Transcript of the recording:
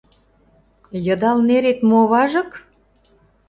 Йыдал нерет мо важык?